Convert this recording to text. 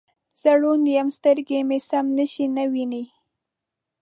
زه ړوند یم سترګې مې سم شی نه وینې